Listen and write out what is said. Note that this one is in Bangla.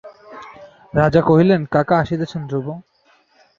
রাজা কহিলেন কাকা আসিতেছেন ধ্রুব।